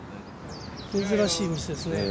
珍しいミスですね。